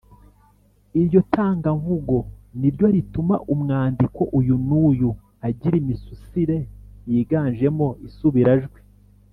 Iryo takamvugo niryo rituma umwandiko uyu n’uyu agira imisusire yiganjemo Isubirajwi